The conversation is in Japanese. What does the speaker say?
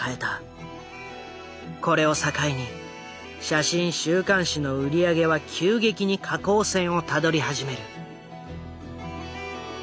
これを境に写真週刊誌の売り上げは急激に下降線をたどり始める。